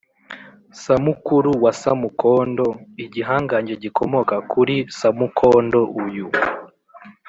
samukuru wa samukondo: igihangange gikomoka kuri samukondo uyu